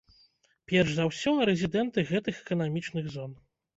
Перш за ўсё, рэзідэнты гэтых эканамічных зон.